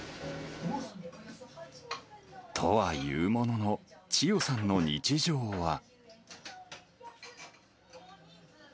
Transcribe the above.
とはいうものの、チヨさんの日常は。